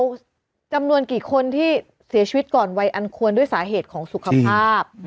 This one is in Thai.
แล้วจำนวนกี่คนที่เสียชีวิตก่อนวัยอันควรด้วยสาเหตุของสุขภาพ